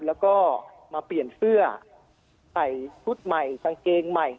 แล้วก็มาเปลี่ยนเสื้อใส่ชุดใหม่กางเกงใหม่